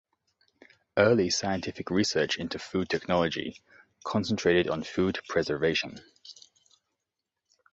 Early scientific research into food technology concentrated on food preservation.